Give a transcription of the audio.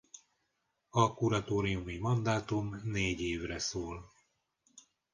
A kuratóriumi mandátum négy évre szól.